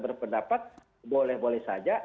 berpendapat boleh boleh saja